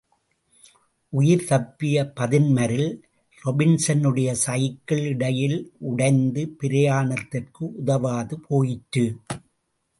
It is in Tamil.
உயிர்தப்பிய பதின்மரில் ராபின்ஸனுடைய சைக்கிள் இடையில் உடைந்து பிரயாணத்திற்கு உதவாது போயிற்று.